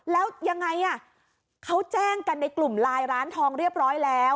แล้วยังไงอ่ะเขาแจ้งกันในกลุ่มไลน์ร้านทองเรียบร้อยแล้ว